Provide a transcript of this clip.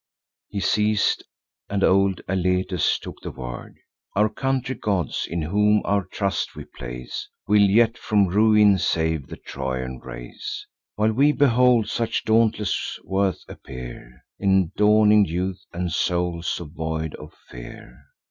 He ceas'd; and old Alethes took the word: "Our country gods, in whom our trust we place, Will yet from ruin save the Trojan race, While we behold such dauntless worth appear In dawning youth, and souls so void of fear."